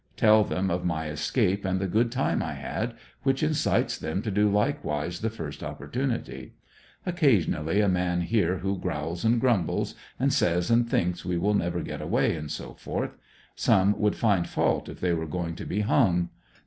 Tell them of my escape and the good time I had, which incites them to do likewise the first opportunity. Occasionally a man here who growls and grumbles, and says and thinks we will never get away, &c. Some would find fault if they were going to be hung.